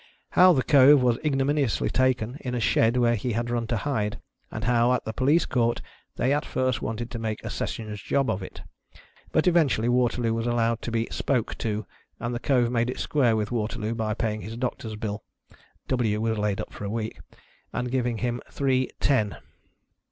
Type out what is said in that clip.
How the Cove was iguominously taken, in a shed where he had run to hide, and how at the Police Court they at first wanted to make a sessions job of it ; but eventually Waterloo was allowed to be " spoke to," and the Cove made it square witli Waterloo by paying his doctor's bill (W. was laid up for a week) and giving him " Three, ten."